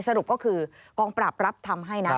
สรุปก็คือกองปราบรับทำให้นะ